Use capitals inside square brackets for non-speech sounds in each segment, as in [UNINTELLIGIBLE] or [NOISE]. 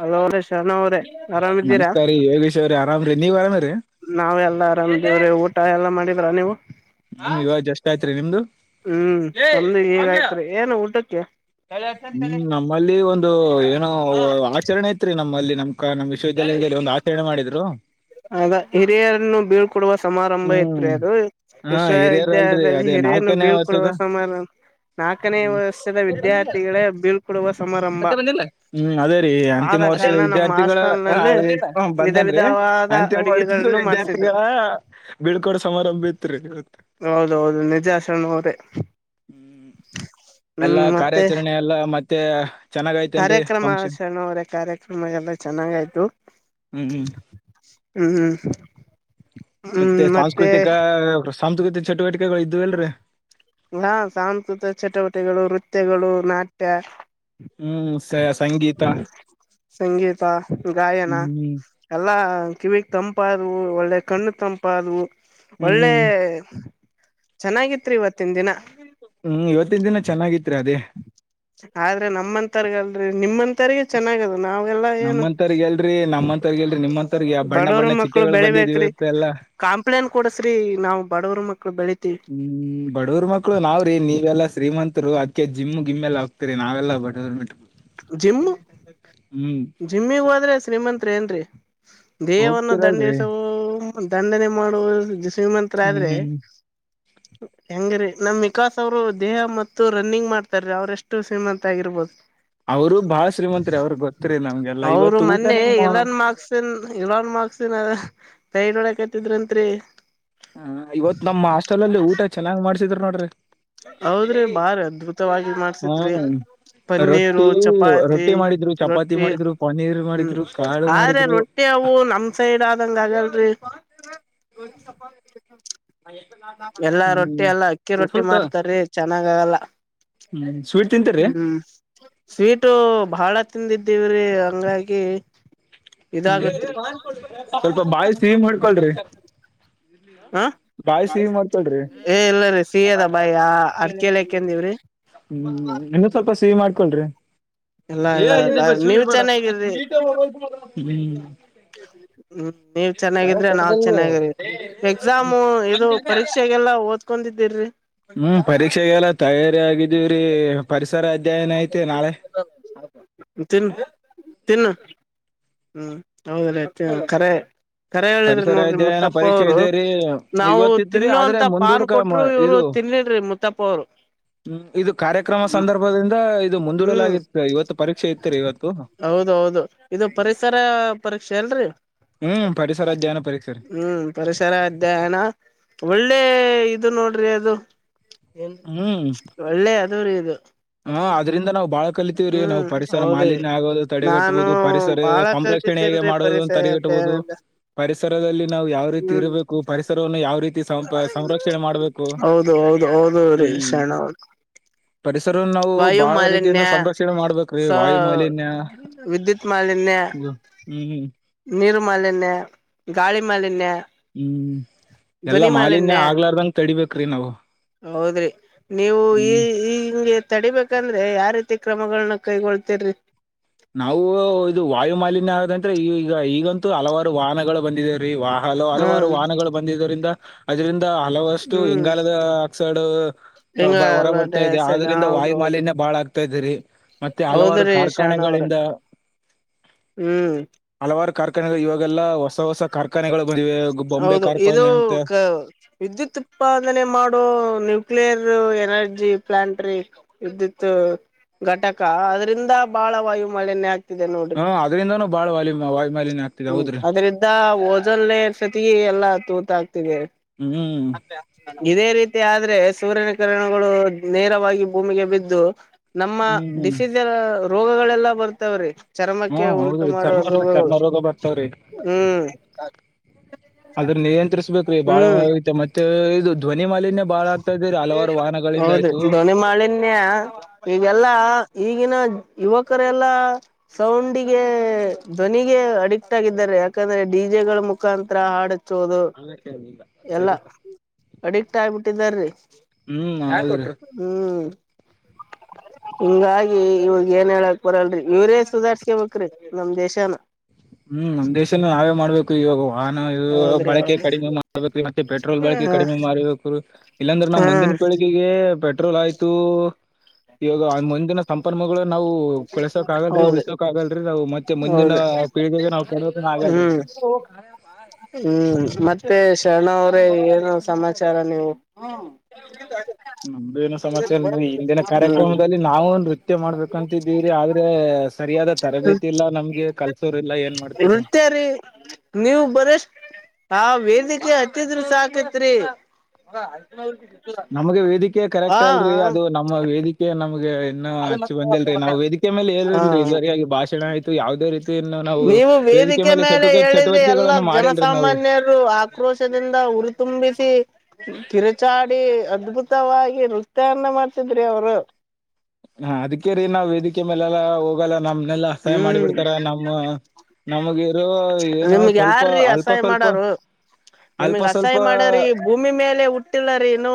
Hello ಶರಣು ಅವ್ರೆ ನಮಸ್ಕಾರಾರಿ ಯೋಗೇಶ್ ಅವ್ರ ಆರಾಮ್ ನಾವ ಎಲ್ಲ ಆರಾಮೇವ್ರೀ ಊಟ ಎಲ್ಲಾ ಮಾಡಿದ್ರ ನೀವು ನಿಮ್ಗೆ ಇವಾಗ ಎಷ್ಟ ಆಯ್ತ್ರಿ ನಿಮ್ದು ಹ್ಮ್ ಚಲ್ ಹಗ ಆಯ್ತರಿ ಏನು ಊಟಕ್ಕೆ ಹ್ಮ್ ನಮ್ಮಲ್ಲಿ ಒಂದು ಏನು ಆಚರಣೆ ಐತ್ರಿ ನಮ್ಮ ನಮ್ಮಲ್ಲಿ ನಮ್ಮ ಕ ನಮ್ಮ ವಿಶ್ವವಿದ್ಯಾಲಯದಲ್ಲಿ ಒಂದು ಆಚರಣೆ ಮಾಡಿದ್ರು ಅದ ಹಿರಿಯರನ್ನು ಬೀಳ್ ಕೊಡುವ ಸಮಾರಂಭ ಇತ್ರಿ ಹ್ಮ್ ಅದು ಹಾ ಹಿರಿಯರ್ ಅಲ್ರಿ ವಿಶ್ವವಿದ್ಯಾಲಯದಲ್ಲಿ ಅದೇ ಹಿರಿಯನ್ನು ನಾಲ್ಕನೇ ಬೀಳ್ಕೊಡುವ ವರ್ಷದ ಸಮಾರಂಭ ನಾಲ್ಕನೇ ಹ್ಮ್. ವರ್ಷದ ವಿದ್ಯಾರ್ಥಿಗಳ ಬೀಳ್ಕೊಡುವ ಸಮಾರಂಭ ಹ್ಮ್ ಅದೇ ರೀ ಅಂತಿಮ ವರ್ಷದ ಕಾರಣ ನಮ್ಮ್ ವಿದ್ಯಾರ್ಥಿಗಳ ಹಾಸ್ಟಲ್ ಆ, ನಲ್ಲಿ ಏ- ಹ್ಮ್, ವಿಧ ವಿಧ ಬಂದನ್ರಿ ವಾದ ಅಡುಗೆಗಳಗಳನ್ನು ಮಾಡ್ಸಿದ್ರು ಬೀಳ್ಕೋಡ್ ಸಮಾರಂಭ ಇತ್ರಿ ಹೌದ ಹೌದು ನಿಜ ಅಶರಣವ್ರೇ ಹ್ಮ್. ಎಲ್ಲಾ ಕಾರ್ಯಾಚರಣೆ ಎಲ್ಲ ಮತ್ತೆ ಚೆನ್ನಾಗೈತೇನ್ರಿ ಕಾರ್ಯಕ್ರಮ ಫಂಕ್ಷನ್ ಶರಣವ್ರ ಕಾರ್ಯಕ್ರಮ ಎಲ್ಲ ಚೆನ್ನಾಗಯ್ತು ಹ್ಮ್ ಹ್ಮ್ ಹ್ಮ್ ಹ್ಮ್ ಮತ್ತೆ ಸಾಂಸ್ಕೃತಿಕ ಸಾಂಸ್ಕೃತಿಕ ಚಟುವಟಿಕೆಗಳು ಇದ್ ಎಲ್ರ ಹಾ ಸಾಂಸ್ಕೃತಿಕ ಚಟುವಟೆಗಳು ನೃತ್ಯಗಳು ನಾಟ್ಯ ಹ್ಮ್ ಸ- ಸಂಗೀತ ಸಂಗೀತ ಗಾಯನ ಹ್ಮ್ ಎಲ್ಲಾ ಕಿವಿಕ್ ತಂಪ ತಂಪಾದವು ಒಳ್ಳೆ ಕಣ್ಣು ತಂಪಾದವು ಒಳ್ಳೆ ಹ್ಮ್ ಚೆನ್ನಾಗಿತ್ರಿ ಇವತ್ತಿನ ದಿನ ಹ್ಮ್ ಇವತ್ತಿನ ದಿನ ಚೆನ್ನಾಗಿತ್ತು ಆದ್ರೆ ನಮ್ಮಂತರ್ಗಲ್ರಿ ನಿಮ್ಮಂತರ್ಗ ಚೆನ್ನಾಗದ ನಾವೆಲ್ಲ ಏನು ನಮ್ಮಂತವ್ರಿಗೆಲ್ರಿ ನಮ್ಮಂತವ್ರಿಗೆಲ್ರಿ ನಿಮ್ಮಂತವ್ರಿಗೆ ಆ ಬಣ್ಣ ಬಡವರು ಬಣ್ಣ ಮಕ್ಕಳು ಚಿಟ್ಟೆಗಳು ಬಂದಿದ್ವಿ ಬೆಳಿಬೇಕ್ರಿ ಇವತ್ತೆಲ್ಲ ಕಾಂಪ್ಲೇಂಟ್ ಕೊಡಸ್ರಿ ನಾವವು ಹ್ಮ್ ಬಡವರ್ ಮಕ್ಕಳು ನಾವ್ರೀ ನೀವೆಲ್ಲಾ ಶ್ರೀಮಂತ್ರು ಅದಕ ಜಮ್ಗ್ ಗಿಮ್ಮ ಎಲ್ಲ ಹೋಗ್ತೀರಿ ನಾವೆಲ್ಲ ಬಡವರು ಜಿಮ್ಮು ಜಿಮ್ಮಿಗ್ ಹೋದ್ರೆ ಶ್ರೀಮಂತ್ ಏನ್ರರಿ ದೇಹವನ್ನು ಹೋಗ್ತಿರಲ್ರಿ ದಂಡಿಸುವ ದಂಡನೆ ಮಾಡುವು ಶ್ರೀಮಂತರ ಹ್ಮ್ ಆದ್ರೆ ಹ್ಮ್ ಹೆಂಗ್ರೀ ನಮ್ ವಿಕಾಸ್ ಅವರು ದೇಹ ಮತ್ತು ರನ್ನಿಂಗ್ ಮಾಡ್ತಾರೀ ಅವ್ರೆಷ್ಟು ಶ್ರೀಮಂತ ಆಗಿರ್ಬೋದು ಅವರು ಬಾಳ ಶ್ರೀಮಂತ್ರಿ ಅವ್ರಿಗೆ ಗೊತ್ತ್ರಿ ನಮ್ಗೆಲ್ಲ ಅವರು ಇವತ್ತು ಊಟ ಮೊನ್ನೆ ನಮ್ಮ ಇಲನ್ ಮಾರ್ಕ್ಸನ್ ಇಲನ್ ಮಾರ್ಕ್ಸ್ ನ ಸೈಡ್ ಹೊಡಿಯಾಕ್ತ್ರಿದಂತಿ ಹ ಇವತ್ ನಮ್ಮ್ ಹಾಸ್ಟೆಲ್ ಅಲ್ಲಿ ಊಟ ಚೆನ್ನಾಗಿ ಮಾಡ್ಸಿದ್ರ ನೋಡ್ರಿ ಹೌದ್ರಿ ಬಾರಿ ಅದ್ಭುತವಾಗಿ ಮಾಡ್ಸಿದ್ರಿ ಹ್ಮ್ ಪನ್ನೀರು ರೊಟ್ಟಿ ಚಪಾತಿ ರೊಟ್ಟಿ ಮಾಡಿದ್ರು ಚಪಾತಿ ರೊಟ್ಟಿ ಮಾಡಿದ್ರು ಪನ್ನೀರ್ ಹ್ಮ್ ಮಾಡಿದ್ರು ಕಾಳು ಆದ್ರೆ ಮಾಡಿದ್ರು ರೊಟ್ಟಿ ಅವು ನಮ್ ಸೈಡ್ ಆದಂಗ ಆಗಲ್ರಿ ಎಲ್ಲಾ ರೊಟ್ಟಿ ಹ್ಮ್ ಎಲ್ಲ ಅಕ್ಕಿ ರೊಟ್ಟಿ ಟ್ಟಿ ಸ್ವಲ್ಪ ಮಾಡ್ತಾರೀ ಚೆನ್ನಾಗ್ ಆಗಲ್ಲ ಸ್ವೀಟ್ ತಿಂತೀರಿ ಹ್ಮ್ ಸ್ವೀಟು ಬಹಳ ತಿಂದಿದ್ದೀವ್ರಿ ಹಂಗಾಗಿ ಇದಾಗತ್ರಿ ಸ್ವಲ್ಪ ಬಾಯಿ ಸಿಹಿ ಮಾಡಡ್ಕೊಳ್ರಿ ಹ ಏ ಇಲ್ಲರೀ ಸಿಹಿ ಅದ ಬಾಯಿ ಅಡ್ಕಲ್ಕೆಂದಿವ್ರಿ ಹ್ಮ್ ಇನ್ನೊ ಸ್ವಲ್ಪ ಸಿಹಿ ಮಾಡ್ಕೊಳ್ರಿ [UNINTELLIGIBLE] ಎಲ್ಲಾ ಎಲ್ಲ ನೀವ್ ಚೆನ್ನಾಗಿರ್ರಿ ಹ್ಮ್ ಹ್ಮ್ ನೀವ್ ಚೆನ್ನಾಗಿದ್ರೆ ನಾವ್ ಚೆನ್ನಾಗಿ ಎಕ್ಸಾಮು ಇದು ಪರೀಕ್ಷೆಗೆೆಗೆ ಎಲ್ಲಾ ಓದ್ಕೊಂಡಿದ್ದಿರಿ ಹ್ಮ್ ಪರೀಕ್ಷೆಗೆಲ್ಲ ತಯಾರಿ ಆಗಿದೀವ್ರೀ ಪರಿಸರ ಅಧ್ಯಯನ ಐತಿ ನಾಳೆ [UNINTELLIGIBLE] ತಿನ್ನು ಹ್ಮ ಹೌದ್ರೀ ಕರೆ ಕರೆ ಹೇಳಿದ್ರಿ ಪರಿಸರ ನೋಡ್ರಿ ಅಧ್ಯಯನ ಮುತ್ತಪ್ಪ ಪರೀಕ್ಷೆ ಅವರು ಇದೆ ರೀ ನಾವು ಇವತ್ತಿತ್ರಿ ಆದ್ರೆ ತಿನ್ನೋಂತ ಪಾನ್ ಮುಂದೂಡಕ ಕೊಟ್ಟಟ್ರು ಮ- ಇವ್ರು ಇದು ತಿನ್ನಲ್ರಿ ಮುುತ್ತಪ್ಪ ಅವರು ಹ್ಮ್ ಇದು ಕಾರ್ಯಕ್ರಮ ಸಂದರ್ಭದಿಂದ ಇದು ಹ್ಮ್ ಮುಂದೂಡಲಾಗಿತ್ತು ಇವತ್ತು ಪರೀಕ್ಷೆ ಇತ್ತು ರೀ ಇವತ್ತು ಹೌದ ಹೌದು ಇದು ಪರಿಸರ ಪರೀಕ್ಷೆ ತೆಲ್ರಿ ಹ್ಮ್ ಪರಿಸರ ಅಧ್ಯಯನ ಪರೀಕ್ಷೆ ರೀ ಹ್ಮ್ ಪರಿಸರ ಅಧ್ಯಯನ ಒಳ್ಳೆ ಇದು ನೋಡ್ರಿ ಅದು ಒಳ್ಳೆ ಅದು ರೀ ಇದು ಹಾ ಅದ್ರಿಂದ ನಾವು ಬಾಳ ಕಲಿತೀವ್ರೀ ನಾವು ಹ್ಮ್ ಪರಿಸರ ಹೌದ್ರಿ ಮಾಲಿನ್ಯ ಆಗೋದು ನಾನು ತಡೆಗಟ್ಟಬಹುದು ಪರಿಸರದ ಬಾಳ ಸಂರಕ್ಷಣೆ ಹೇಗೆ ಕಲ್ತಿದ್ದೇನ್ರೀ ಮಾಡುವುದು [UNINTELLIGIBLE] ಪರಿಸರದಲ್ಲಿ ನಾವು ಯಾವ ರೀತಿ ಹ್ಮ್ ಇರಬೇಕು ಪರಿಸರವನ್ನು ಯಾವ ರೀತಿ ಸಂರಕ್ಷಣೆ ಮಾಡ್ಬೇಕು ಹೌದು ಹೌದು ಹೌದುರೀ ಹ್ಮ್ ಶರಣ ಅವ್ರ ಪರಿಸರ ನಾವು ವಾಯು ಬಹಳ ಮಾಲಿನ್ಯ ರೀತಿಯಿಂದ ಸಂರಕ್ಷಣೆ ಮಾಡ್ಬೇಕ್ರೀ ಸ ವಾಯು ಮಾಲಿನ್ಯ ವಿದ್ಯುತ್ ಮಾಲಿನ್ಯ ಹ್ಮ್ ಹ್ಮ್ ನೀರು ಮಾಲಿನ್ಯ ಗಾಳಿ ಮಾಲಿನ್ಯ ಹ್ಮ್ ಎಲ್ಲಾ ಮಾಲಿನ್ಯ ಆಗ್ಲಾರ್ದಂಗ ತಡಿಬೇಕ್ರಿ ನಾವು ಹೌದ್ರಿ ನೀವು ಈ ಹ್ಮ್. ಇಂಗೆ ತಡಿಬೇಕಂದ್ರೆ ಯಾವ ರೀತಿ ಕ್ರಮಗಳನ್ನ ಕೈಗೊಳ್ತಿರಿ ನಾವು ಇದು ವಾಯು ಮಾಲಿನ್ಯ ಆದಂತ್ರೆ ಈ ಈಗ ಈಗಂತೂ ಹಲವಾರು ವಾಹನಗಳು ಬಂದಿದ್ದೆ ವಾಹ ಹಲವಾರು ಹ್ಮ್ ವಾಹನಗಳು ಬಂದಿದ್ದರಿಂದ ಅದರಿಂದ ಹಲವಷ್ಟು ಹ್ಮ್ ಇಂಗಾಲದ ಆಕ್ಸೈಡ್ ಹಿಂಗ ಹೊರ ಎಲ್ಲ ಬರ್ತಾ ಡೈ ಇದೆ ಆಕ್ಸೈಡ್ ಆದ್ರಿಂದ ಹೌದು ವಾಯು ಹೌದು ಮಾಲಿನ್ಯ ಬಹಳ ಆಗ್ದೆ ತಾ ಇದರಿ ಮತ್ತೆ ಹಲವಾರು ಹೌದ್ರೀ ಕಾರ್ಖಾನೆ ಶರಣ ಹ್ಮ್ ಹಲವಾರು ಕಾರ್ಖಾನೆಗಳು ಇವಾಗೆಲ್ಲಾ ಹೊಸ ಹೊಸ ಕಾರ್ಖಾನೆಗಳು ಬಂದಿವೆ ಗು- ಬೊಂಬೆ ಹೌದು ಇದು ಕಾರ್ಖಾನೆ ಅಂತ ವಿದ್ಯುತ್ ಉತ್ಪಾದನೆ ಮಾಡೋ ನ್ಯೂಕ್ಲಿಯರ್ ದು ಎನರ್ಜಿ ಪ್ಲಾಂಟ್ರೀ ವಿದ್ಯತ್ ಘಟಕ ಅದ್ರಿಂದ ಬಾಳ ವಾಯು ಮಾಲಿನ್ಯ ಆಕ್ತ ನೋಡ್ರಿ ಹಾ ಅದರಿಂದನೂ ಬಾಳ ವಾಯು ವಾಯು ಮಾಲಿನ್ಯ ಆಗ್ತಿದೆ ಹ್ಮ್ ಹೌದ್ರಿ ಅದ್ರಿಂದ ಓಜನ್ ಜತೆಗೆ ಎಲ್ಲ ತೂತ ಆ್ತಿದೆ ಹ್ಮ್ ಇದೇ ರೀತಿ ಆದ್ರೆ ಸೂರ್ಯನ ಕಿರಣಗಳು ನೇರವಾಗಿ ಭೂಮಿಗೆ ಬಿದ್ದು ನಮ್ಮ ಹ್ಮ್ ಹ್ಮ್ ಡಿಸೀಜ ರೋಗಗಳೆಲ್ಲಾ ಬರ್ತಾವ್ರಿ ಹಾ ಚರ್ಮಕ್ಕೆ ಉಂಟು ಹೌದ್ರಿ ಮಾಡುವ ಚರ್ಮ ರೋ- ರೋಗಗಳು ಚರ್ಮ ರೋಗ ಬರ್ತಾವ್ರಿ ಹ್ಮ್ ಅದ್ರ ನಿಯಂತ್ರಿಸ್ಬೇಕ್ರೀ ಬಾಳಐತೆ ಮತ್ತೆ ಇದು ಧ್ವನಿ ಮಾಲಿನ್ಯ ಬಾಳ ಆಗ್ತಾ ಇದೆ ರೀ ಹಲವಾರು ವಾಹನಗಳಿಂದ ಹೌದ್ರಿ ಆಯ್ತು ದೋನಿ ಮಾಳಿನ್ಯ ಈಗೆಲ್ಲಾ ಈಗಿನ ಯುವಕರೆಲ್ಲಾ ಸೌಂಡಿಗೆ ಧ್ವನಿಗೆ ಅಡಿಕ್ಟ್ ಆಗಿದ್ದಾರೆ ಯಾಕಂದ್ರೆ ಬೀಜೆಗಳ ಮುಖಾಂತರ ಹಾಡ ಹ ಕೇಳಿಲ್ಲ ಸರಿದ ಅಡಿಕ್ಟ್ ಆಗ್ಬಿಟ್ಟಿದ್ದಾರೀ ಹೌದ್ರಿ ಹ್ಮ್ ಹಿಂಗಾಗಿ ಇವಾಗ ಏನ್ ಹೇಳಕ್ ಬರಲ್ರಿ ಇವ್ರೇ ಸುಧಾರ್ಕ ಮುಕ್್ರಿ ನಮ್ ದೇಶಾನ ಹ್ಮ್ ನಮ್ ದೇಶನ ನಾವೇ ಮಾಡ್ಬೇಕು ಇವಾಗ ವಾಹನ ಹೌದ್ರಿ ಬಳಕೆ ಹೌದು ಕಡಿಮೆ ಮಾಡ್ಬೇಕ್ರೀ ಮತ್ತೆ ಪೆಟ್ರೋಲ್ ಬಳಕೆ ಹ ಕಡಿಮೆ ಮಾಡಬೇಕರು ಇಲ್ಲಾಂದ್ರೆ ನಾ್ ಮುಂದಿನ ಹ್ಮ್ ಪೀಳಿಗೆಗೆ ಪೆಟ್ರೋಲ್ ಆಯ್ತು ಇವಾಗ ಮುಂದಿನ ಸಂಪನ್ಮೂಗಳು ನಾವು ಕಳ್ಸೋಕ್ ಆಗಲ್ರರಿ ಹೌದು ಉಳಸಕ್ ಆಗಲ್ರರಿ ನಾವು ಮತ್ತೆ ಮುಂದಿನ ಹೌದು ಪೀಳಿಗೆಗೆ ನಾವು ಕೊಡೋಕನ ಆಗಲ್ರಿ ಹ್ಮ್ ಹ್ಮ್ ಮತ್ತೆ ಮತ್ತೆ ಶರಣ ಅವ್ರೇ ಏನು ಸಮಾಚಾರ ನೀವು [INAUDIBLE] ನಮ್ದು ಏನೋ ಸಮಾಚಾರ ಅ ಹಿಂದಿನ ಹ್ಮ್ ಕಾರ್ಯಕ್ರಮದಲ್ಲಿ ನಾವು ನೃತ್ಯ ಮಾಡ್ಬೇಕಂತಿದ್ದೀವಿ ಆದ್ರೆ ಸರಿಯಾದ ಹ್ಮ್ ತರಬೇತಿ ಇಲ್ಲ ನಮ್ಗೆ ಕಲ್ಸೋರ್ ಇಲ್ಲ ಏನ್ ಮಾಡ್ತಾರೆ ನೀವು ಬರ ಹಾ ವೇದಿಕೆ ಹತ್ತಿದ್ರರು ಸಾಕತ್ರಿ ನಮ್ಗೆ ವೇದಿಕೆ ಕರೆಕ್ಟ್ ಹಾ ಅಲ್ರರಿ ಅದು ನಮ್ಮ ವೇದಿಕೆ ನಮ್ಗೆ ಇನ್ನು ಹಚ್ಚಿ ಬಂದಿಲ್ರರಿ ನಾವ್ ವೇದಿಕೆ ಮೇಲೆ ಹಾ ೇಲ್ರಿಲ್ರರಿ ಇದುವರೆಗಾಗಿ ಭಾಷಣ ಆಯ್ತು ಯಾವ್ದೇ ರೀತಿ ಇನ್ನು ನಾವು ನೀವು ವೇದಿಕೆ ಮೇಲೆ ಚಟುಕ ಹೇಳಿದ್ರೆ ಎಲ್ಲಾ ಚಟುವಟಿಕೆಗಳನ್ನು ಮಾಡಿಲ್ರಿ ನಾವು ಜನಸಾಮಾನ್ಯರು ಆಕ್ರೋಶದಿಂದ ಹುರಿತುಂಬಿಸಿ ಕಿರುಚಾಡಿ ಅದ್ಭುತವಾಗಿ ನೃತ್ಯನ್ನ ಮಾಡ್ತಿದ್ರಿ ಅವರು ಅಕೆ ಮೇಲೆೆಲ್ಲಾ ಹೋಗಲ್ಲ ನಮ್ಮ್ನೆಲ್ಲ ಸಹಾಯ ಮಾಡಿ ಹ್ಮ್ ಬಿಿಡ್ತಾರ ನಮ್ಮ ನಮಗಿರೋ ಏನ ನಿಮ್ಗ್ ಸ್ವಲ್ಪ ಯಾರ್ರೀ ಅಲ್ಪ ಅಸಹ್ಯ ಸ್ವಲ್ಪ ಮಾಡಾರು ಅಲ್ಪ ನಿಮಗ್ ಸ್ವಲ್ಪ ಅಸಹಾಯ ಮಾಡರಿೀ ಭೂಮಿ ಮೇಲೆ ಹುಟ್ಟಿಲ್ಲರಿೀನು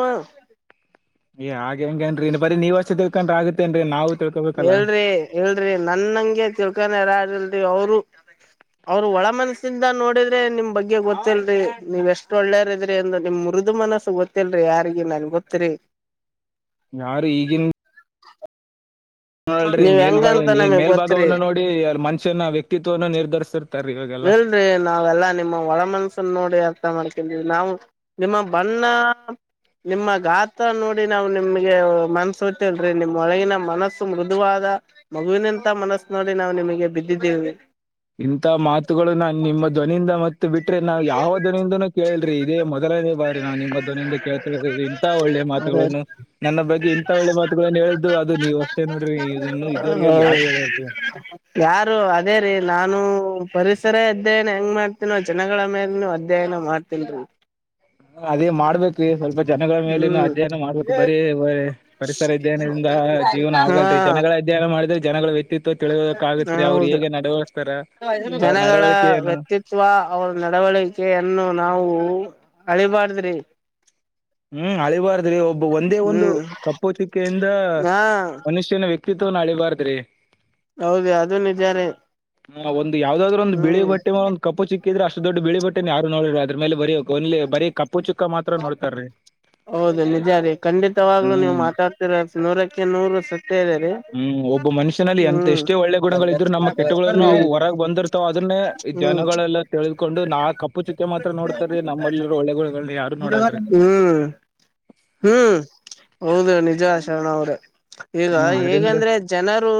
ಏ್ ಹಾಗೆ ಹೆಂಗೇನ್ೀ ಇನ್ ಬರೀ ನೀವ ವರ್ಷ ತಿಳ್ಕೊಂಡ್ರ ಆಗತ್ತೇನ್ರಿೀ ನಾ ಹೇಳ್ರಿ ಹೇಳ್ರಿ ನನ್ನಂಗೆ ತಿಳ್ಕಾನಾರಲ್ರಿ ಅವರು ಹ ಅವರು ಒಳ ಮನಸಿಂದ ನೋಡಿದ್ರೆ ನಿಮ್ ಬಗ್ಗೆ ಗೊತ್ತಿಲ್ರರಿ ನೀವ್ ಎಷ್ಟ್ ಒಳ್ಳೇರ್ ಇದ್ರಿ ಅಂದ ನಿಮ್ ಮುರದು ಮನಸ್ಸು ಗೊತ್ತಿಲ್ರರಿ ಯಾರಿಗೆ ನನ್ ಗೊತ್ತ್ರರಿ ಯಾರ ಈಗಿಿಂದ [INAUDIBLE] ನೋಡಲ್ೀ ನೀವ್ ಮೇಲ್ಭಾಗ ಹೆಂಗಂತ ನಮಗ್ ಗೊತ್ತರಿ ಮೇಲ್ಭಾಗವನ್ನು ನೋಡಿ ಮನುಷ್ಯನ ವ್ಯಕ್ತಿತ್ವವನ್ನು ನಿರ್ಧರಿಸಿರ್ ಇಲ್ರರಿ ನಾವೆಲ್ಲಾ ನಿಮ್ಮ ಒಳ ಮನ್ಸನ್ ನೋಡಿ ಅರ್ಥ ಮಾಡ್ಕಿದವಿ ನಾವು ನಿಮ್ಮ ಬಣ್ಣ ನಿಮ್ಮ ಗಾತ್ರ ನೋಡಿ ನಾ್ ನಿಮ್ಗೆ ಮನ್ಸತ್ತಲ್ರಿ ನಿಮ್ಮ್ ಒಳಗಿನ ಮನಸ್ಸು ಮೃದುವಾದ ಮಗುವಿನಂತ ಮನಸ್ಸ ನೋಡಿ ನಾವು ನಿಮಗೆ ಬಿದ್ದಿದ್ದೀವಿ ಇಂಥ ಮಾತುಗಳು ನನ್ು ನಿಮ್ಮ ಧ್ವನಿಯಿಂದ ಮತ್ತೆ ಬಿಟ್ರಿ ನಾವವು ಯಾವ ಧ್ವನಿಂದೂ ಕೇಳಲ್ರಿ ಇದೇ ಮೊದಲನೇ ಬಾರಿ ನಾವು ನಿಮ್ಮ ಧ್ನಿಂದ ಕೇಳ್ತದು ಇಂತ ಒಳ್ಳೇ ಅದ ಮಾತುಗಳನ್ನು ನನ್ನ ಬಗ್ಗೆ ಇಂತ ಒಳ್ಳೆ ಮಾತುಗಳನ್ನು ಹೇಳಿದ್ದು ಅದು ನೀವು ಅಷ್ಟೇ ನೋಡ್ರಿ ಇದುವರೆಗಾಗಿ ಯಾರ [INAUDIBLE] ಯಾರು ಅದೇ ರೀ ನಾನು ಪರಿಸರ ಇದದ್ದೇನೆ ಹೆಂಗ್ ಮಾಡ್ತೀನೋ ಜನಗಳ ಮೇಲೆ ಅಧ್ಯಯನ ಮಾಡ್ತನ್ರಿ ಹ ಅದೇ ಮಾಡ್ಬೇಕು ಸ್ವಲ್ಪ ಜನಗಳ ಮೇಲನು ಹ್ಮ್ ಅಧ್ಯಯನ ಮಾಡ್ಬೇಕು ಬರೀ ಪರಿಸರ ಇದನ. ಜೀವನ ಹಾ ಆಗಲ್ರಿ ಜನಗಳ ಅಧ್ಯಯನ ಮಾಡಿದ್ರೆ ಜನಗಳ ವ್ಯಕ್ತಿತ್ವ ತಿಳಿಯೋಕ ಆಗತ್ರಿ ಅವ್ರರು ಹೌದು ಹೇಗೆ ನಡವ. ಜನಗಳ ವ್ಯಕ್ತಿತ್ವ ಅವರ ನಡವಳಿಕೆಯನ್ನು ನಾವು. ಅಳಿಬಾರ್ದ್ರಿ. ಹ್ಮ್ ಅಳಿಬಾರ್ದ್ರಿ ಒಬ್ಬ ಒಂದೇ ಒಂದು ಹ್ಮ್ ಕಪ್ಪು ಚಿಕ್ಕೆಯಿಂದ ಹಾ ಮನುಷ್ಯನ ವ. ಕ್ಕತ್ವ ನಳಿ ಬಾರತ್್ರಿ. ಹೌದ ಅದನ್ಾರೆ. ಹ ಒಂದ ಯಾವದಾದ್ರು ಒಂದು ಬಿಳಿ ಬಟ್ಟೆ ಮ ಒಂದು ಕಪ್ಪು ಚಿಕ್ಕಿದೆಷ್ಟ ದೊಡ್ಡಳಿ ಬಟ್ಟೆ. ಯಾರ ನೋಡ್ರರಿ ಅದ್ರ ಮೇಲೆ ಬರಿೀ ಒಲ್ಲಿ ಬೀ ಕಪ್ಪು ಚಿಕ್ಕ ಮಾತ್ರ ನೋಡ್ತಾರೀ. ಹೌದು ನಿಜ ರೀ ಖಂಡಿತವಾಗ್ಲುೂ ನೀವು ಹ್ಮ್ ಮಾತಾಡ್ತಿರ ನೂರಕ್ಕೆ ನೂರು ಸ. ಹ್ಮ್ ಒಬ್ಬ ಮನುಷ್ಯನಲ್ಲಿ ಎಂತ ಎಷ್ಟೇ ಒಳ್ಳೆ ಗುಣಗಳಿದ್ರು ನಮ್ಮ ಕೆಟ್ಟುಗಳನ್ನು ಅವು ಹೊರಗೆ ಬಂದಿರ್ತಾವ ಅದ್ರ. ಹ್ಮ್ ಜನಗಳೆಲ್ಲ ತ ತಿಳಕೊಂಡು ನಾ ಕಪ್ಪು ಚಿಕ್ಕೆ ಮಾತ್ರ ನೋಡ್ತಾರೆೀ ನಮ್ಮಲ್ಲಿರೋ ಒಳ್ಳೆ ಯಾರು. ನೋಡಲ್ರಿ ಹ್ಮ್ ಹ್ಮ್ ಹೌದ ನಿಜ ಶರಣ ಅವ್ರ. ಈಗ ಹ್ಮ್ ಅದ್ರಿಂದ ಹೇಗಂದ್ರೆ ಜನರು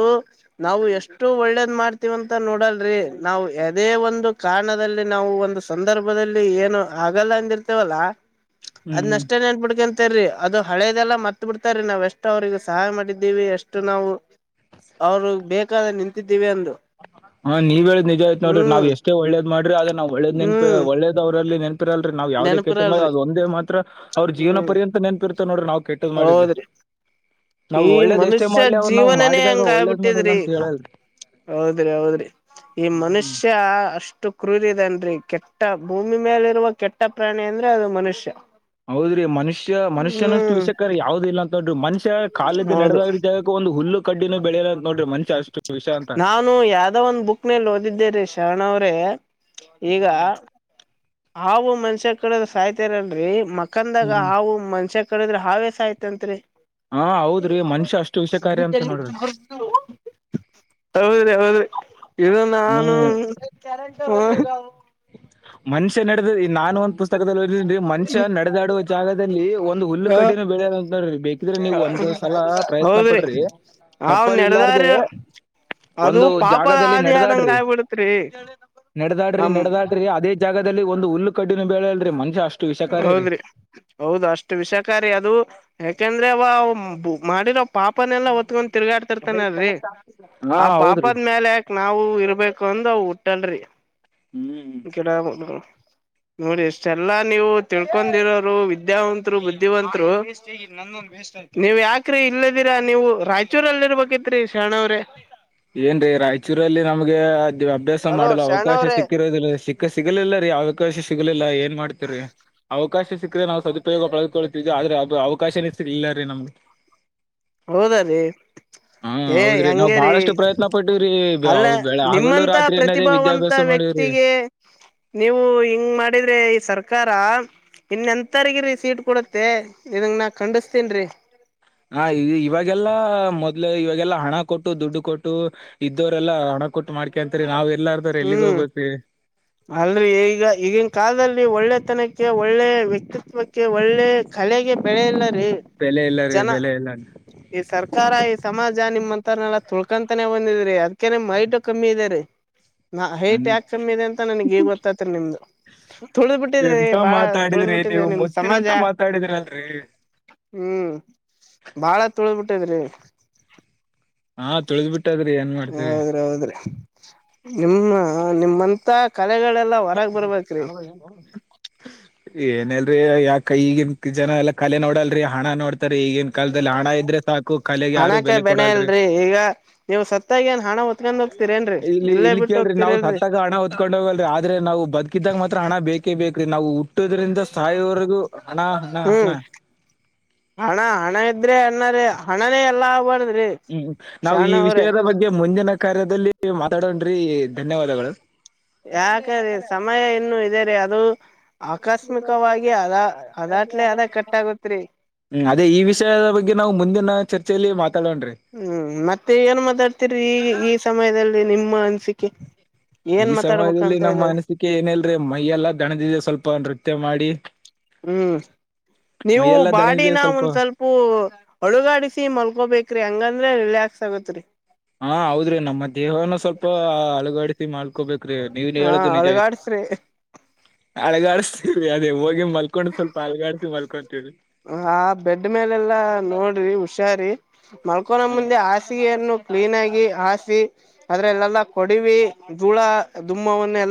ನಾವು ಎಷ್ಟು. ಇಷ್ಟು ಒಳ್ಳೇದ್ ಮಾಡ್ತೀವಂತ ನೋಡಲ್ರರಿ ನಾವು ಅದೇ ಒಂದು ಕಾರಣದಲ್ಲಿ ನಾವು ಒಂದು ಸಂದರ್ಭ. ಏನು ಆಗಲ್ಲ ಅಂದಿರ್ತೇವಲ್ಲ ಹ್ಮ್ ಅದ್ಷ್ಟೇ ನನ್ಬಿಡ್ಕಂತ. ತೀ ಅದು ಹಳೆದೆಲ್ಲ ಮತ್ ಬಿಡ್ತ್ರೀ ನಾವ ಎಷ್ಟ್ ಅವ್ರಿಗೆ ಸಹಾಯ ಮಾಡಿದ್ದೀವಿ ಎಷ್ಟು ನಾವು. ಅವರು ಬೇಕಾದ್ರೆ ನಿಂತಿದ್ದೀವಿ ಅಂದು. ಹಾ ನೀವ್ ಹೇಳ್ ನಿಜ ಆಯ್ತತ್ ನೋಡ್ರಿ ನಾವ್ ಹ್ಮ್ ಎಷ್ಟೇ ಒಳ್ಳೇದ್ ಮಾಡ್ರಿ ಅದ. ನಾ್ ಒಳ್ಳೆ್ ನೆನಪೆ ಹ್ಮ್ ಒಳ್ಳದ್ ಅವರಲ್ಲಿ ನೆನ್ಪ. ರಲ್ರಿ ನಾವವು ಯಾವ್ದೇ ಕೆಟ್ಟದ್ ನೆನಪಿರಲ್ರಿ ಅದ ಒಂದೇ ಮಾತ್ರ ಅವ್ರ ಜೀವನ ಹ್ಮ್ ಪರ್ಯಂತ ನೆನ್ಪಿರ್ತ ನೋ್ರಿ ನಾ್ ಕೆದ್ ಮಾಡಿದ್ದು. ಹೌದ್ರಿ ನಾವ್ ಈ ಒಳ್ಳೇದ ಎಷ್ಟೇ ಮನುಷ್ಯ ಮಾಡ್ಲಿ ಅವ್ರು ನಾವ್ ಜೀವನನೇ ಮಾಡಿದಾಗ ಹಂಗ ಒಳ್ಳೇದ್ ಮಾಡಲ್ಲ ಆಗ್ಬಿಟ್ಟಿದ್ರಿ ಅಂತ ಹೇಳಲ್ರಿ. ಹೌದ್ರಿ ಹೌದ್ರಿ ಈ ಹ್ಮ್. ಮನುಷ್ಯ ಅಷ್ಟ. ಅಷ್ಟು ಕ್ರೂರಿದನ್ರಿ ಕೆಟ್ಟ ಭೂಮಿ ಮೇಲಿರುವ ಕೆಟ್ಟ ಪ್ರಾಣಿ ಅಂದ್ರೆ ಅದು ಮನುಷ್ಯ. ಹೌದ್ರೀ ಮನುಷ್ಯ ಮನುಷ್ಯನಷ್ಟು ಹ್ಮ್ ವಿಷಯಕ್ಕ ಯಾವ್ದ ಇಲ್ಲ ಅಂತಂದ್ರಿ ಮನುಷ್ಯ. ಕಾಲದ ಹೌದು ನಡೆದಾಗ ರೀತ ಒಂದು ಹುಲ್ಲು ಕಡ್ಡಿನ. ನಾನು ಯಾವ್ದ ಒಂದ್ ಬುಕ್ನಲ್ಲಿ ಓದಿದ್ದೆರಿೀ ಶರಣವ್ರೆ. ಈಗ ಹ್ಮ್. ಆವು ಮನುಷ್ಯ ಕಡ ಸಹ್ತರನ್ರಿ ಮ. ಅಾಕಂದಾಗ ಹಾವು ಮನ್ಷ್ಯ ಕಡಿದ್ರೆ ಹಾವಸ ಆಾಯ್ತಂತ್ರಿ. ಹಾ ಹೌದ್ರಿ ಮನುಷ್ಯ ಅಷ್ಟು ವಿಷಕಾರಿ ಬಿಟ ಅಂತ ನೋಡ್ರಿ [UNINTELLIGIBLE] ಹೌದಿ ಹೌದಿ ಇದು ನಾನು ಹ್ಮ್ ಮನುಷ್ಯ ನಡೆದ ನಾನು ಒಂದ ಪುಸ್ತಕದಲ್ಲಿ ಓಿ ಮನುಷ್ಯ ನಡೆದಾಡುವ ಜಾಗದಲ್ಲಿ ಒಂದು ಹ ಹುಲ್ಲುಕಟ್ಟಿನ. ಬೆಳಂತ ನೋಡ್ರಿ ಬೇಕಿದ್ರೆ ನೀವು ಒಂದ್ ಸಲ ಪ್ರಯತ್ನ ಹೌದ್ರಿ ಪಡ್ರಿ. ಅವ್ ಚಪ್ಪಲು ಇಲ್ಲಾರ್ದ. ನೆಡದಾರಿ ಅದು ಒಂದು ಪಾಪದ ಜಾಗದಲ್ಲಿ ಆದಿ ಆದಂಗ ನಡೆದಾಡ್ರಿ ಆಗ್ಬಿಡತ್ರಿ ನಡೆದಾಡ್ರಿ ಹಮ್ ನಡ. ದಾಟ್ರಿ ಅದೇ ಜಾಗದಲ್ಲಿ ಒಂದು ಹುಡ್ಿನ ಬಳೆ ಅಲ್ರಿೀ ಮನುಷ್ಯ ಅಷ್ಟು. ವಿಷಕಾರಿ ರೀ ಹೌದ್ರಿ ಹೌದು ಅಷ್ಟು ವಿಷಕಾರಿ ಅದು ಯಾಕೆಂದ. ಅಂದ್ರೆ ಅವ ಮಾಡಿರವ ಪಾಪನೆೆಲ್ಲಾ ಒತ್ಕೊಂಡ್ ತಿರುಗಾಡ್ತಿರ್ತಾನಲ್ೀ. ಹಾ ಆ ಹೌದ್ರಿ ಪಾಪದ ಮೇಲೆ ಯಾಕ ನಾವವು ಇರ್ಬೇಕು ಅಂದ ಹುಟ್ಟಲ್ರಿ. ಹ್ಮ್ ಕೆಡ. ನೋಡಿ ಇಷ್ಟೆಲ್ಲಾ ನೀವು ತಿಳ್ಕೊಂಡಿರೋರು ವಿದ್ಯಾವಂತ್ರು ಬುದ್ಧಿವಂತರು. ನೀವ್ ಯಾಕ್ರಿ ಇಲ್ಲದಿರಾ ನೀವು ರಾಯಚೂರಲ್ಲಿ ಇರ್ಬೇಕಿತ್ರಿ ಶರಣವ್ರ. ಏನ್ರಿ ರಾಯಚೂರಲ್ಲಿ ನಮ್ಗೆ. ಇದು ಅಭ್ಯಾಸ ಹಲೋ ಮಾಡಲು ಶರಣ ಅವಕಾಶ ಅವ್ರೆ ಸಿಕ್ಕಿರೋದಿಲ್ಲ ಸಿಕ್ಕ ಸಿಗಲಿಲ್ಲ ರೀ ಅವಕಾಶ ಸಿಗಲಿಲ್ಲ. ಮಾಡ್ತರಿ ಅವಕ ಅವಕಾಶ ಸಿಕ್ಕಿದ್ರೆ ನಾವು ಸದುಪಯೋಗ ಪಳದುಕೊಳ್ತೀವಿ ಆದ್ರೆ ಅವಕಾಶನೇ ಸಿಲಿಲ್ಲ ರೀ ನಮ್ಗೆ. ಹೌದ ರೀ ಹಾ ಏ ಹೌದ್ರಿ ನಾವ್ ಹೆಂಗಗೆರಿೀ. ಬಹಳಷ್ಟು ಪ್ರಯತ್ನ ಪಟ್ಟಿವ್ರಿ ಬೆ- ಅಲ್ಲ ಅವ್ ಬೆಳ ಹಗಲು ನಿಮ್ಮಂತ ರಾತ್ರಿ ಅನ್ನದೇ ಪ್ರತಿಭಾವಂತ ವಿದ್ಯಾಭ್ಯಾಸ ಮಾಡಿವ್ರಿ ವ್ಯಕ್ತಿಗೆ. ನೀವು ಹಿಂಗ್ ಮಾಡಿದ್ರೆ ಈ ಸರ್ಕಾರ. ಇನ್ ಎಂಂತರ್ಗಿರರಿ ಸೀಟ್ ಕೊಡತ್ತೆ ಇದಂಗ ನಾ ಖಂಡಿಸತೇನ್ೀ. ಹಾ, ಇವಾಗ ಈಗೆಲ್ಲ ಮೊದ್ಲು ಇವಾಗಲ್ಲ ಹಣ ಕೊಟ್ಟು ದುಡ್ಡು ಕೊಟ್ಟು. ಇದ್ದವರೆಲ್ಲಾ ಹಣ ಕೊಟ್ಟು ಮಾಡ್ಕಂತರಿ ನಾವ ಹ್ಮ್, ಅಂದ್ರೆಈಗ ಈಗಿನ ಕಾಲದಲ್ಲಿ ಒಳ್ಳೆ ಒಳ್ಳೆ ತನಕ್ಕೆ, ಒಳ್ಳೆ ವ್ಯಕ್ತಿತ್ವಕ್ಕೆ, ಒಳ್ಳೆ ಕಲೆಗೆ ಬೆಲೆಯ ಇಲ್ಲ. ಬೆಲೆ ಇಲ್ಲ ರೀ ಜನ ಬೆಲೆ ಇಲ್ಲ ಈ ಸರ್ಕಾರ, ಈ ಸಮಾಜ- ಜಾ ನಿಮ್ ಅಂತರನೆಲ್ಲ ತುಳ್ಕೊಂತಾನೇ ಬಂದಿದ್ರಿ ಅದಕೇನೆ ಐಟ್ ಕಮ್ಮಿ ಇದೆ ರಿ. ನಾಐಟ್ ಹ್ಮ್. ಯ್ಯಾಕ್ ಕಮ್ಮಿ ಇದೆ ಅಂತ ನನ್ಗ್ಗೇಗ್ ಗೊತ್ತಾಯ್ತರಿ ನಿಮ್ದು. ತುಳ್ದ್ ಬಿಟ್ಟಿದ್ರಿ ಎಂತ ಬಾಳ ತುಳ್ದ್ ಮಾತಾಡಿದ್ರಿ ಬಿಟ್ಟಿದ್ರಿ ನೀವು ನಿಮ್ ಸಮಾಜ. ಮುತ್ತಿನಂತ ಮಾತಾಡಿದ್ರಲ್ರಿ ಹ್ಮ್, ಬಾಳ ತುಳಬಿಟ್ಟಿದ್ರಿ. ಹಾ, ತಿಳ್ದ್ಬಿಟ್ಟದ್ರಿ ಏನ್ ಮಾಡ್ತರಿ. ಹೌದ್ರಿ ಹೌದ್ರಿ ನಿಮ್ಮ ನಿಮ್ಮಂತ [UNINTELLIGIBLE] ಮಲೆಗಳೆಲ್ಲ ಹೊರಗ್ ಬರ್ಬೇಕ್ರಿ. ಏನಿಲ್ರರಿ ಯಾಕ ಈಗಿನ್ ಜನ ಎಲ್ಲಾ ಕಲೆ ನೋಡಲ್ರರಿ ಹಣ ನೋಡ್ ಕಲೆಗೆ ಯಾರು ಹಣಕ್ಕೆ ಬೆಲೆ ಬೆನೆ ಕೊಡಲ್ರಿ ಇಲ್ರಿ ಈಗ ನೀವು ಸತ್ತಾಗೇನ್ ಹಣ ಹೌತ್ತಕ [INAUDIBLE] ಇಲ್ಲಿ, ಇಲ್ಲಿ ಕೇಳಲ್ರಿ ನಾವ್ ಸತ್ತಾಗ ಹಣ ಹೊತ್ಕೊಂಡ್ ಹೋಗಲ್ರಿ, ಆದ್ರೆ ನಾವು ಬದುಕಿದಾಗ ಮಾತ್ರ ಹಣ ಬೇಕ ಬೇಕ, ಬೇಕ್ರಿ ನಾವು ಹುಟ್ಟದ್ರಿಂದ ಸಾಯಿವರೆಗೂ ಹಣ, ಹಣ, ಹಣ. ಹ್ಮ್ ಹಣ ಹಣ ಇದ್ರೆ ಅಣ್ಣಾರ ಹಣನೇ ಎಲ್ಲಾ ಬಾರ ಹ್ಮ್, ನಾವು ಈ ವಿಷಯದ ಬಗ್ಗೆ ಮುಂದಿನ ಕಾರ್ಯದಲ್ಲಿ ಮಾತಾಡನ್ರಿಧನ್ಯವಾದಗಳು. ಯಾಕ್ರೆ ಸಮಯ ಇನ್ನೂಇದೆ ರೀ ಅದು ಆಕಸ್ಮಿಕವಾಗಿ ಅದ ಅದಾಟ್ಲೆ ಅದ ಕಟ್ಟಾಗತ್ರಿ. ಹ್ಮ್, ಅದೇ ಈ ವಿಷಯದ ಬಗ್ಗೆ ನಾವು ಮುಂದಿನ ಚರ್ಚೆಯಲ್ಲಿ ಮಾತ ಹ್ಮ್, ಮತ್ತೆ ಏನ್ ಮಾತಾಡ್ತಿರಿ ಈ ಸಮಯದಲ್ಲಿ ನಿಮ್ಮ ಅನಿಸಿಕೆ. ಈ ಸಮಯದಲ್ಲಿ ನಮ್ಮ್ ಅನಸಿಕೆ ಏನಲ್ರಿ ಮೈಯೆಲ್ಲಾ ದಣದಿದೆ ಸ್ವಲ್ಪ ನೃತ್ಯ ಮಾಡಿ. ಹ್ಮ್, ನೀವು ಮೈಯೆಲ್ಲಾ ದಣಗಿದೆ ಬಾಡಿನ ಒಂದ್ ಸ್ವಲ್ಪ ಅಲುಗಾಡಿಸಿ ಮಲ್ಕೋಬೇಕ್ರಿ ಹಂಗಂದ್ರೆ ರಿಲ್ಯಾಕ್ಸ್ ತಗತ್ ರರಿ [UNINTELLIGIBLE] ಹಾ, ಹೌದ್ರಿ ನಮ್ಮ ದೇಹ. ನ ಸ್ವಲ್ಪ ಅಳಗಾಡ್ಸಿ ಮಾಡ್ಕೋಬೇಕು ನೀವನ್ ಹಾ ಹೇಳುದು ನಿಜ ಅಳಗಾಡ್ಸ್ರಿ ಹಳಗತ ಅದ [UNINTELLIGIBLE] ಮಲ್ಕೊಂಡ್ ಸ್ವಲ್ಪ ಅಲಗಡಿಸಿ ಮಲ್ ಹಾ, ಬೆಡ್ ಮೇಲೆಲ್ಲಾ ನೋಡ್ರಿ ಹುಷಾರಿ ಹಾ ಮಲ್ಕೊಳಮುಂದೆ ಹಾಸಿಗೆ ಏನು ಕ್ಲೀನ್ ಆಗಿ ಹಾಸಿ ಅದ್ರ ಎಲ್ಲಾ ಕೊಡವಿ ದೂಳ ದುಮ್ಮನ್ನ ಎಲ್ಲ